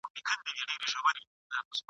که هر څومره څوک هوښیار او لاس یې بر وي !.